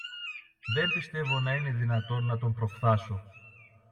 Δεν πιστεύω να είναι δυνατόν να τον προφθάσω.